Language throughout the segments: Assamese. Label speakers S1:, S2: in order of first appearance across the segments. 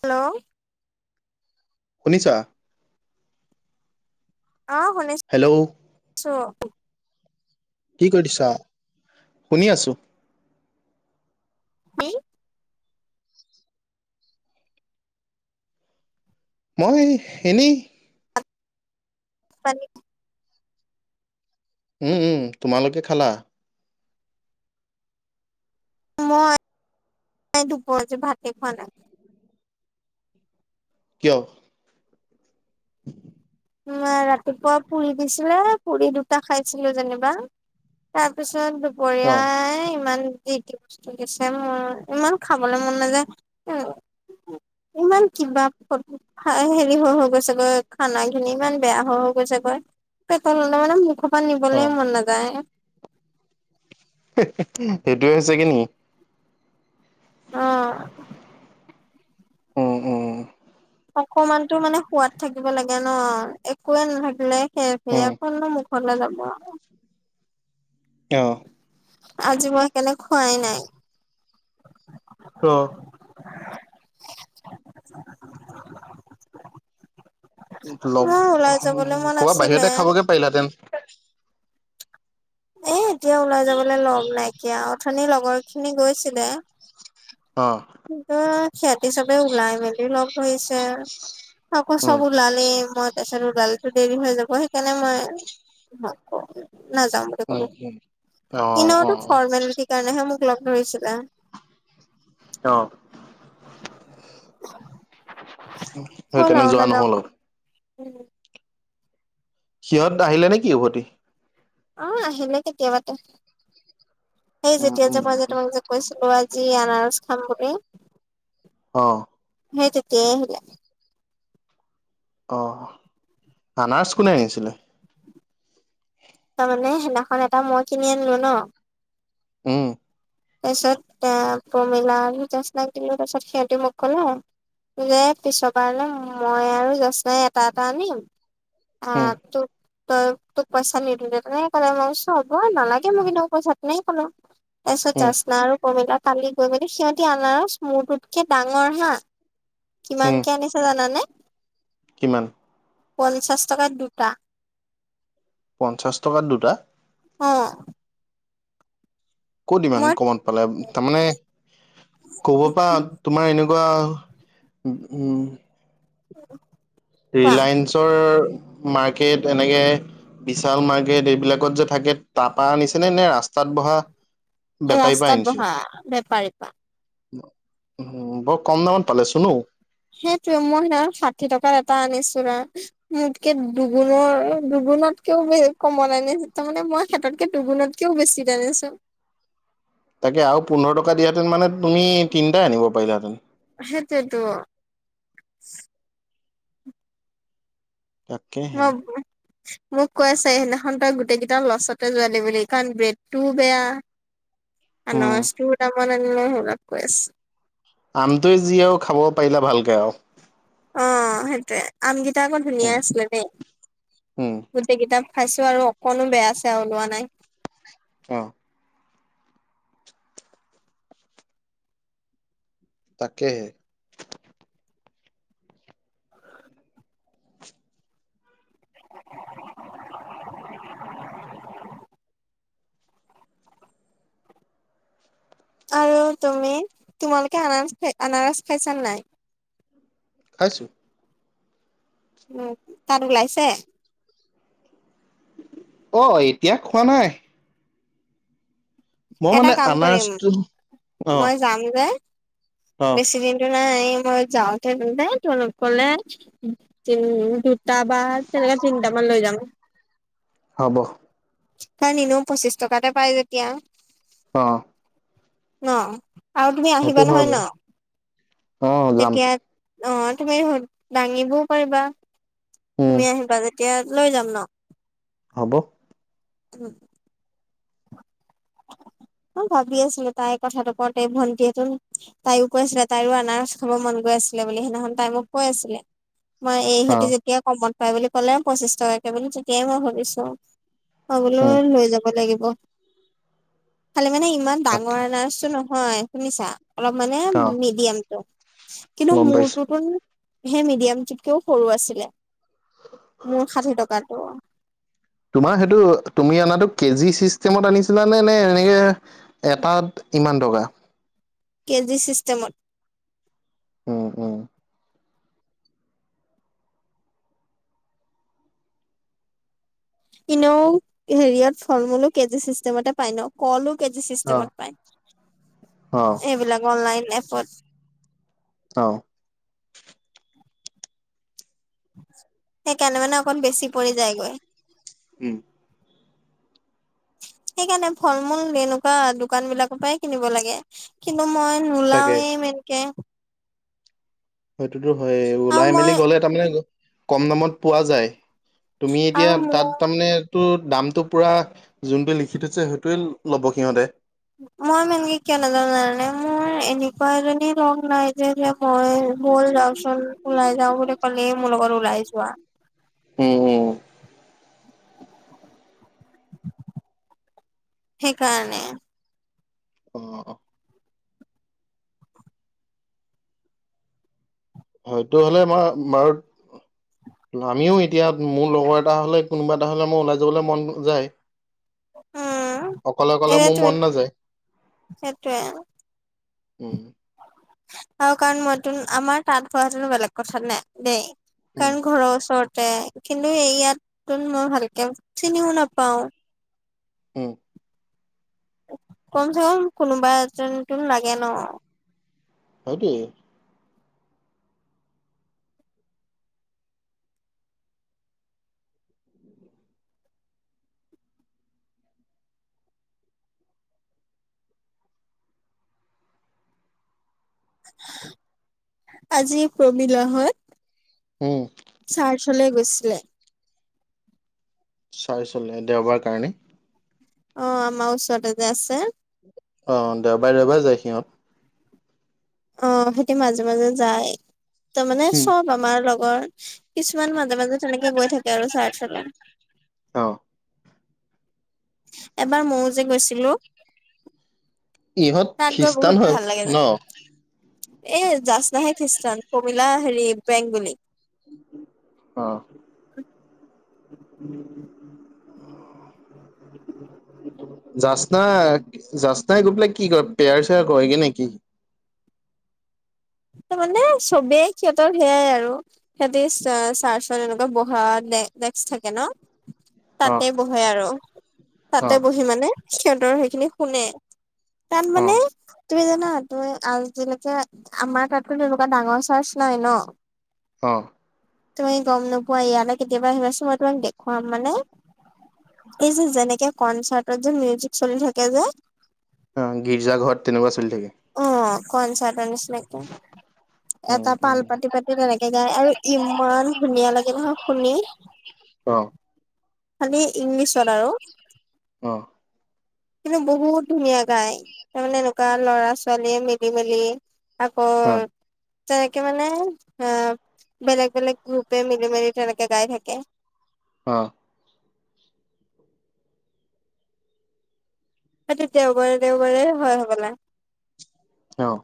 S1: হেল্ল'
S2: শুনিছা।
S1: অ'শুনিছো।
S2: হেল্ল'
S1: চ
S2: কি কৰিছা। শুনি আছোঁ।
S1: কি
S2: মই এনেই
S1: পানীত
S2: উম উম তোমালোকে খালা।
S1: মই দুপৰতে ভাতে খোৱা নাই।
S2: কিয়? [inaudible]
S1: উ ৰাতিপুৱা পুৰি দিছিলে পুৰি দুটা খাইছিলো যেনিবা। তাৰ পিছত
S2: অ
S1: দুপৰীয়াই ইমান। যি কি বস্তু দিছে মোৰ ইমান খাবলৈ মন নাযায় ইমান কিবা হেৰি হৈ হৈ গৈছে গৈ খানা ইমান বেয়া হৈ হৈ গৈছে গৈ পেটল হলে মানে মুখৰ পৰা
S2: অ
S1: নিবলৈ মন নাযায়
S2: সেইটো হৈছেগে নি
S1: অ'
S2: উম, উম
S1: অকমানতো মানে সোৱাদ থাকিব লাগে ন, একোৱে নাথাকিলে সেৰ
S2: উম
S1: সেৰ কৈ কত হলে যাব
S2: অ'
S1: আজি মই কেলে খোৱাই নাই।
S2: অ'
S1: [inaudible]
S2: লগ
S1: মোৰ ওলাই যাবলৈ মন আছিলে।
S2: পাৰিলা হেঁতেন
S1: এ এতিয়া ওলাই যাবলৈ লগ নাইকিয়া অথনিৰ লগৰ খিনি গৈছিলে।
S2: অ'
S1: সিহঁতি চবে ওলাই মেলি লগ ধৰিছে আকৌ চব
S2: উম
S1: ওলালে মই পিছত ওলালে দেৰি হৈ যাব সেইকাৰণে মই [unintelligible] নাযাওঁ।
S2: উম উম অ
S1: [unintelligible] ইনোঁ
S2: অ
S1: ফৰ্মেলিটি কাৰণেহে মোক লগ ধৰিছিলে।
S2: অহ।
S1: চল আৰু
S2: যোৱা নহ'ল
S1: নেযাওঁ।
S2: আৰু। সিহঁত নাহিলে নে কি উভতি?
S1: অ' আহিলে কেতিয়াবাতে সেই
S2: উম
S1: যেতিয়া
S2: উম
S1: যে তোমাক যে কৈছিলো আজি আনাৰস খাম বুলি।
S2: অ।
S1: সেই তেতিয়াই আহিলে।
S2: অ, আনাৰস কোনে আনিছিলে?
S1: তাৰমানে সেইদিনাখন এটা মই কিনি আনিলো ন
S2: উম।
S1: তাৰপিছত এ প্ৰমিলা আৰু জেস্নাই দিলো তাৰপাছত সিহঁতি মোক কলে যে পিছৰ বাৰলে মই আৰু জেস্নাই এটা এটা আনিম
S2: উম
S1: আগ টো তই তোক পইচা নিদি তেনে ক'লে মই হ'ব নালাগে মই কিন্তু পইচা তেনে কলো। তাৰপিছত
S2: উম
S1: জাস্না আৰু কমিলা কালি গৈ মেলি সিহঁতি আনাৰস মূৰটোতকে ডাঙৰ হা কিমান
S2: উম
S1: কে আনিছে জানানে?
S2: কিমান?
S1: পঞ্চাছ টকাত দুটা।
S2: পঞ্চাছ টকাত দুটা?
S1: অ।
S2: ক'ত ইমান
S1: মই
S2: কমত পালে, তাৰমানে কবা পা তোমাৰ এনেকুৱা উ উম
S1: পোৱা
S2: ৰিলায়েন্সৰ মাৰ্কেট এনেকে বিশাল মাৰ্কেট এইবিলাকত যে থাকে তাপা আনিছে নে নে ৰাস্তাত বহা বেপাৰী পা
S1: ৰাস্তাত
S2: আনিছে,
S1: বহা বেপাৰী পা
S2: বৰ কম দামত পালেচুন ঔ।
S1: সেইটোৱে মই সেইদিনা খন ষাঠি টকাত এটা আনিছিলে। মোতকে দুগুণৰ দুগুণতকেও কম আনিছিলে তাৰমানে মই হেতকে দুগুণত কেও বেছিকে আনিছোঁ।
S2: তাকে আৰু পোন্ধৰ টকা দিয়াহেঁতেন মানে তুমি তিনটা আনিব পাৰিলাহেঁতেন।
S1: সেইটোৱেটো।
S2: তাকেহে
S1: [unintelligible] মোক কৈ আছে সেইদিনাখন তই গোটেইকেইটা লছতে যোৱালি বুলি কাৰণ ব্ৰেডটোও বেয়া।
S2: উম
S1: অনাৰষ্টোৰ দামত আনিলে সেইবিলাক কৈ আছে।
S2: আমটোৱে যি আৰু খাব পাৰিলে ভালকে আৰু।
S1: অ সেইটোৱে আমগিতা আকৌ ধুনীয়া
S2: উম
S1: আছিলে দেই।
S2: উম,
S1: গোটেইকিতা খাইছো আৰু অকনো বেয়া চেয়া ওলোৱা নাই।
S2: অ। তাকেহে।
S1: আৰু তুমি তোমালোকে আনাৰস খাই আনাৰস খাইছা নাই?
S2: খাইছোঁ।
S1: উ তাত ওলাইছে?
S2: অ এতিয়া খোৱা নাই। মই
S1: এটা
S2: মানে
S1: কাম কৰিম
S2: আনাৰসটো অ
S1: মই যাম যে
S2: অ
S1: বেছি দিন নাই মই যাওঁতে [unintelligible] কলে তাপা তেনেকে তিনিটামান লৈ যাম।
S2: হ'ব
S1: কাৰণ নিনু পঁচিশ টকাতে পাই যেতিয়া।
S2: অ
S1: ন আৰু তুমি
S2: সেইটো
S1: আহিবা
S2: হয়
S1: নহয়
S2: বাৰু
S1: ন
S2: অ যাম
S1: তেতিয়া অ তুমি দাঙিবও পাৰিবা।
S2: উম
S1: তুমি আহিবা তেতিয়া লৈ যাম ন।
S2: হ'ব
S1: [unintelligible] অ ভাবি আছিলো তাই কথাটো কওতে ভন্টিহেতন তাইও কৈ আছিলে তাইৰো আনাৰস খাব মন গৈ আছিলে বুলি সেইদিনাখন তাই মোক কৈ আছিলে। মই
S2: অ
S1: এইহতি যেতিয়া কমত পাই বুলি ক'লে পঁচিশ টকাকে বুলি তেতিয়াই মই সুধিছো। খাবলৈ
S2: উম
S1: লৈ যাব লাগিব খালি মানে ইমান
S2: তাকে
S1: ডাঙৰ আনাৰছটো নহয় শুনিছা অলপ মানে
S2: অ
S1: মিডিয়ামতটো কিন্তু
S2: গম পাইছো
S1: মোৰটোত সেই মিডিয়ামটোতকেও সৰু আছিলে মোৰ ষাঠি টকাতটো
S2: তোমাৰ সেইটো তুমি অনাতটো কেজি চিষ্টেমত আনিছিলানে নে এনেকে এটাত ইমান টকা
S1: কেজি চিষ্টেমত
S2: উম উম
S1: এনেও হেৰিয়ত ফল মূলো কেজি ছিষ্টেমতে পাই ন কলো কে
S2: অ
S1: চিষ্টেমত
S2: অ
S1: পায় এইবিলাক অনলাইন এপত
S2: অ
S1: সেইকাৰণে মানে অকণ বেছি পৰি যায়গৈ
S2: উম
S1: [unintelligible] সেইকাৰণে ফল মূল এনেকুৱা দোকান বিলাকৰ পৰাই কিনিব লাগে কিন্তু মই
S2: তাকে
S1: নোলাওয়ে ইমেনকে
S2: সেইটোতো হয়
S1: আৰু
S2: ওলাই মেলি
S1: মই
S2: গলে তাৰমানে কম দামত পোৱা যায় তুমি এতিয়া
S1: আৰু মোৰ
S2: তাত তাৰমানে তটো দামটো পূৰা যোনটোৱে লিখি থৈছে সেইটোৱে ল'ব সিহঁতে
S1: মই ইমান কে কিয় নাজানো যানানে মোৰ এনেকুৱা এজনি লগ নাই মই হল যাওঁচোন ওলাই যাও বুলি ক'লে মোৰ লগত ওলাই যোৱা
S2: উম উু
S1: সেইকাৰণে
S2: অ অ হয় তটো হলে আমাৰ মাৰত আমিও এতিয়া মোৰ লগৰ এটা হলে কোনোবা এটা হলে মই ওলাই যাবলৈ মন যায়
S1: উম
S2: অকলে অকলে মোৰ
S1: এইটোৱে
S2: মন নাযায়
S1: সেইটোৱে
S2: উম
S1: আৰু কাৰণ মইত আমাৰ তাত হোৱাতনো বেলেগ কথা নে দেই
S2: উম
S1: কাৰণ ঘৰৰ ওচৰত কিন্তু এই ইয়াত মই ভালকে চিনিও নাপাও
S2: অ
S1: কম চে কম কোনোবা এজন টো লাগে ন
S2: হয় কি?
S1: আজি প্ৰমল হয় [inaudible]
S2: উম।
S1: চাৰ্চলে গৈছিলে।
S2: চাই চলে দেওবাৰ কাৰণে?
S1: অ' আমাৰ ওচৰতে যে আছে।
S2: অ' দেওবাৰে - দেওবাৰ যায় সিহঁত?
S1: অ' সিতি মাজে - মাজে যায় তাৰ মানে
S2: উম
S1: চব আমাৰ লগৰ। কিছুমান মাজে- মাজে তেনেকে গৈ থাকে আৰু চাৰ্চলে।
S2: অঁ।
S1: এবাৰ ময়ো যে গৈছিলো।
S2: ইহঁত
S1: তাত
S2: খ্ৰীষ্টান হয় ন?
S1: এই জাজনাহে খ্ৰীষ্টান, কমিলা হেৰি বেংগলী।
S2: অঁ। অ [unintelligible] জচনা জাচনাই গৈ পেলাই কি কয়, পেয়াৰ চেয়াৰ কৰেগে নেকি?
S1: ত' মানে চবেই সিহঁতৰ সেয়াই আৰু। সিহঁতি চাৰ চন এনেকুৱা বহা ডেস্ক থাকে ন।
S2: অ
S1: তাতে বহে আৰু
S2: অ
S1: তাতে বহি মানে সিহঁতৰ সেইখিনি শুনে। তাত
S2: অ
S1: মানে তুমি জানা তুমি আজিলৈকে আমাৰ তাতটো তেনেকুৱা ডাঙৰ চাৰছ নাই ন?
S2: অঁ।
S1: তুমি গম নোপোৱা ইয়ালে কেতিয়াবা আহিবাছোন মই তোমাক দেখুৱাম মানে এই যে যেনেকে কনচাৰ্টত যে মিউজিক চলি থাকে যে?
S2: অ' গীৰ্জা ঘৰত তেনেকুৱা চলি থাকে।
S1: অ' কনচাৰ্ট নিছিনাকে।
S2: উম
S1: এটা
S2: উম
S1: পাল পাতি-পাতি তেনেকে গায় আৰু ইমান ধুনীয়া লাগে নহয় শুনি।
S2: অঁ।
S1: খালি ইংলিছত আৰু।
S2: অঁ।
S1: কিন্তু বহুত ধুনীয়া গাই, তাৰমানে এনেকুৱা ল'ৰা চল মিলিমিলি আকৌ [inaudible]
S2: অহ।
S1: তেনেকে মানে আহ বেলেগ- বেলেগ গ্ৰুপে মিলি মেলি তেনেকে গাই থাকে।
S2: অঁ।
S1: হয়টো দেওবাৰে দেওবাৰে হয় হবলা [inaudible]
S2: অঁ।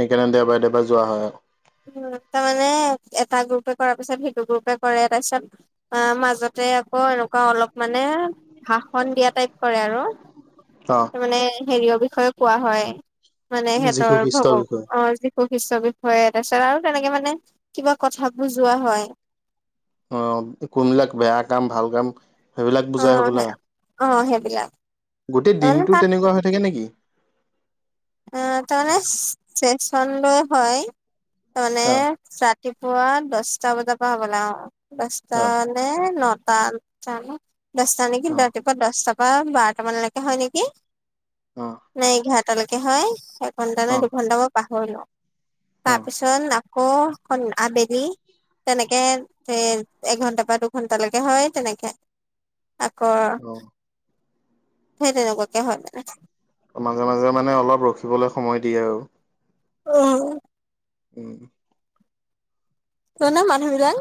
S2: সেইকাৰণে দেওবাৰে- দেওবাৰে যোৱা হয় আৰু।
S1: উম তাৰমানে এটা গ্ৰুপে কৰাৰ পিছত সেইটো গ্ৰুপে কৰে তাৰ পিছত। অ' মাজতে আকৌ এনেকুৱা অলপ মানে ভাষন দিয়া টাইপ কৰে আৰু
S2: অ
S1: তাৰমানে মানে হেৰিয়ৰ বিষয়ে কোৱা হয়। মানে
S2: যীশু
S1: সিহঁতৰ
S2: খ্ৰীষ্টৰ
S1: ভগৱ
S2: বিষয়ে
S1: অ বৈশিষ্ট্য বিষয়ে তাৰপিছত আৰু তেনেকে মানে কিবা কথা বুজোৱা হয়।
S2: অ' কোনবিলাক বেয়া কাম ভাল কাম সেইবিলাক বুজাই হবলা
S1: অ', অ', সেইবিলাক
S2: গোটেই
S1: তাৰমানে
S2: দিনটো
S1: তাত
S2: তেনেকুৱা হৈ থাকে নেকি
S1: অ তামানে চেক্সন লৈ হয় তামানে
S2: অ
S1: ছাতিপুৱা দছটা বজা পৰা হ'ব লা অ দছটা
S2: অ
S1: নে নটাত জানো দছটা নেকি
S2: অ
S1: ৰাতিপ ক দছটা পা বাৰটা মানলেকে হয় নেকি নে এঘাৰটালৈকে হয় ঘণ্টা নে
S2: অ অ
S1: দুঘন্টা মই পাহৰিলো তাৰপিছত আকৌ আবেলি তেনেকে এ এঘন্টা বা দুঘণ্টা লেকে হয় তেনেকে আকৌ
S2: অ অ
S1: সেই তেনেকুৱাকে হয় মানে
S2: মাজে মাজে মানে অলপ ৰখিবলে সময় দিয়ে আৰু
S1: অ
S2: উম
S1: সিহঁতৰ মানুহ বিলাক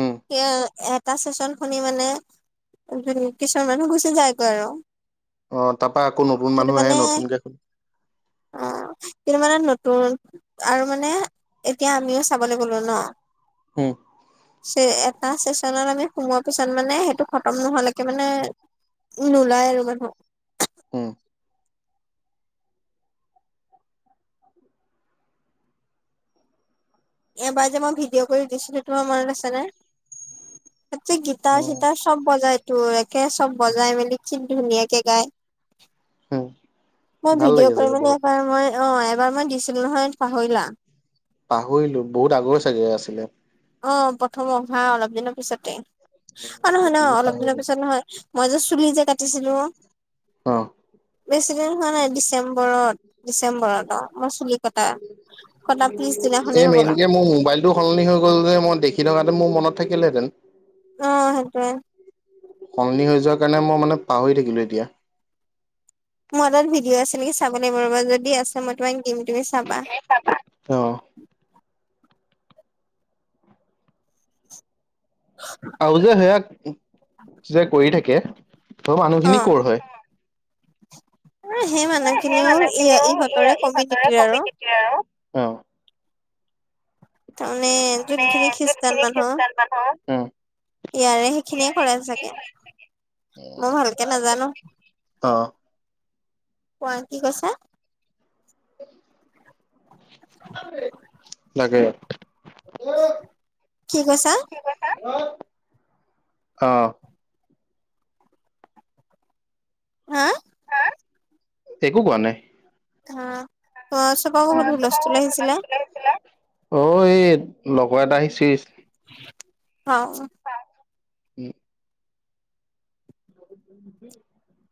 S2: উম
S1: ইয়ে এ এটা চেচন শুনি মানে কিছুমান মানুহ গুচি যায়গৈ আৰু
S2: অ তাৰপা আকৌ নতুন
S1: কিন্তু
S2: মানুহ আহে
S1: মানে
S2: নতুনকে খোল
S1: অ কিন্তু মানে নতুন আৰু মানে এতিয়া আমিও চাব লাগিব হলো ন
S2: হু
S1: চে এটা চেচনত আমি সোমোৱাৰ পিছত মানে সেইটো খতম নোহালেকে মানে নোলাই আৰু মানুহ
S2: হু
S1: এবাৰ যে মই ভিডিঅ' কৰি দিছিলো তোমাৰ মনত আছে নে তাতে গীতাৰ
S2: উম
S1: চীতাৰ চ চব বজাই তো একে চব বজাই মেলি কি ধুনীয়াকে গাই
S2: উম
S1: মই
S2: ভাল লাগে
S1: ভিডিঅ কৰি
S2: চাগে
S1: মিনি
S2: বহুত
S1: এবাৰ মই অ এবাৰ মই দিছিলো নহয় পাহৰিলা
S2: পাহৰিলো বহুত আগৰ চাগে আছিলে
S1: অ প্ৰথম অহা অলপ দিনৰ পিছতে অ নহয় ন
S2: তেতিয়া
S1: অলপ দিনৰ
S2: পাহৰিলো
S1: পিছত নহয় মই যে চুলি যে কাটিছিলো
S2: অ
S1: বেছি দিন হোৱা নাই ডিচেম্বৰত ডিচেম্বৰত অ মই চুলি কটা কটা
S2: এই
S1: পিছদিনাখনেই হ'বলা
S2: মেইনকে মোৰ মোবাইল টো সলনি হৈ গ'ল যে মই দেখি থকাহেতেন মোৰ মনত থাকিলহেতেন
S1: অ সেইটোৱে
S2: সলনি হৈ যোৱা কাৰণে মই মানে পাহৰি থাকিলো এতিয়া
S1: মোৰ হাতত ভিডিঅ' আছে নেকি চাব লাগিব ৰবা যদি আছে মই তোমাক দিম তুমি চাবা
S2: চাবা অ আউ যে সেয়া যে কৰি থাকে ত মানুহখিনি ক'ৰ হয়
S1: এই সেই
S2: সেই
S1: মানুহখিনিও ই ইহঁতৰে কমিউনিটিৰ আৰু
S2: তিয়া অ
S1: তাৰমানে
S2: মানে
S1: যোনখিনি খ্ৰীষ্টান
S2: যোনখিনি
S1: মানুহ
S2: খ্ৰীষ্টান মানুহ
S1: ইয়াৰে সেইখিনিয়ে
S2: ইয়াৰে
S1: খৰে
S2: সেইখিনিয়ে
S1: চাগে
S2: হয়
S1: মই ভালকে নাজানো
S2: চাগে অ
S1: কোৱা কি কৈছা
S2: লাগে
S1: কি কৈছা
S2: অ
S1: হা
S2: একো কোৱা নাই
S1: অ অ চৌপাশ
S2: অ
S1: ঘৰত
S2: চুপা
S1: হুলস্থুল আহিছিলে
S2: মাছটো লৈ আহিছিলা অ এই লগৰ এটা আহিছেচ
S1: হা
S2: উম [unintelligible]